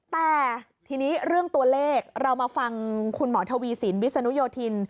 แต่ทีนี้เรื่องตัวเลขเรามาฟังคุณหมอทวีสินวิศนุโยธิน